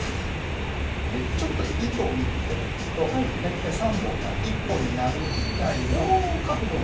ちょっと糸を見ていただくと大体３本が１本になるぐらいの角度。